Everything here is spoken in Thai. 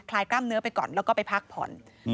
ลายกล้ามเนื้อไปก่อนแล้วก็ไปพักผ่อน